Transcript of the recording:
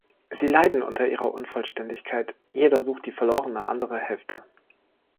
Sie leiden unter ihrer Unvollständigkeit; jeder sucht die verlorene andere Hälfte.